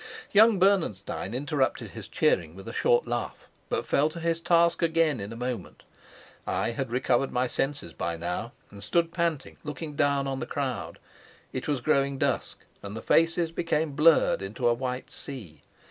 Young Bernenstein interrupted his cheering with a short laugh, but fell to his task again in a moment. I had recovered my senses by now, and stood panting, looking down on the crowd. It was growing dusk and the faces became blurred into a white sea.